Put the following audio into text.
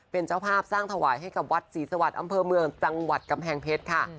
เป็นเจ้าภาพสร้างถวายให้กับวัดศรีสวรรค์อำเภอเมืองจังหวัดกำแพงเพชรค่ะ